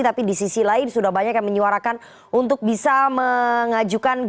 tapi di sisi lain sudah banyak yang menyuarakan untuk bisa mengajukan